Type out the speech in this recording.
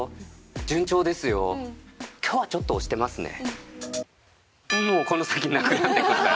順調ですよ今日はちょっと押してますね。